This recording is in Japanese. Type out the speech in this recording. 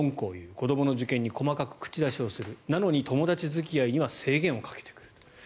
子どもの受験に細かく口出しをするなのに友達付き合いには制限をかけてくる。